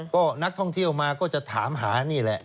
ก็นักท่องเที่ยวมาก็จะถามหานี่แหละ